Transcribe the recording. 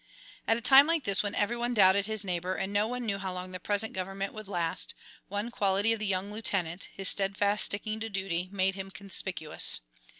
At a time like this when every one doubted his neighbor, and no one knew how long the present government would last, one quality of the young lieutenant, his steadfast sticking to duty, made him conspicuous.